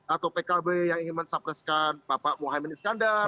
atau pkb yang ingin capreskan pak mohamad iskandar